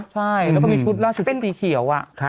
ใช่แล้วก็มีชุดล่าสุดเส้นสีเขียว